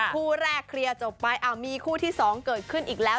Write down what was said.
คู่แรกเคลียร์จบไปมีคู่ที่๒เกิดขึ้นอีกแล้ว